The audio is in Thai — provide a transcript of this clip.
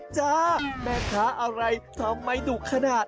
จะเอาเวลา